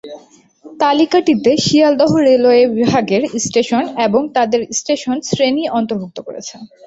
তালিকাটিতে Sealdah railway বিভাগের station এবং তাদের স্টেশন শ্রেণী অন্তর্ভুক্ত করেছে।